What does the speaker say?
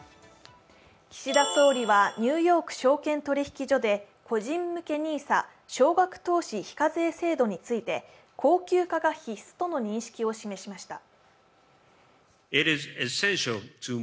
岸田総理はニューヨーク証券取引所で個人向けＮＩＳＡ、少額投資非課税制度について、恒久化が必須との認識を示しました。